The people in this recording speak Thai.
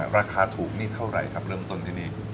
ราคาถูกนี่เท่าไหร่ครับเริ่มต้นที่นี่